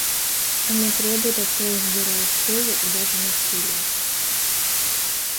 Она требует от своих героев силы и даже насилия.